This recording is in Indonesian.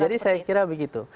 jadi saya kira begitu